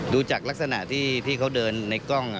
ดูจากลักษณะที่เขาเดินในกล้อง